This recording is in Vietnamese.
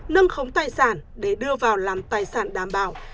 nâng khống tài sản để đưa vào làm tài sản đảm bảo